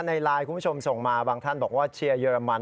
ในไลน์คุณผู้ชมส่งมาบางท่านบอกว่าเชียร์เยอรมัน